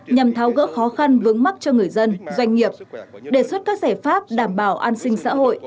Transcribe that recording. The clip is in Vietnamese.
nhằm tháo gỡ khó khăn vướng mắt cho người dân doanh nghiệp đề xuất các giải pháp đảm bảo an sinh xã hội